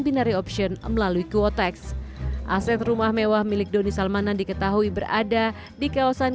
binary option melalui kuotax aset rumah mewah milik doni salmanan diketahui berada di kawasan